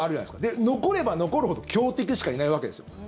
で、残れば残るほど強敵しかいないわけですよ。